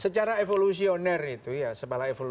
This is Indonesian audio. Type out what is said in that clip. secara evolusioner itu ya